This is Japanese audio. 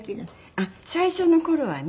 あっ最初の頃はね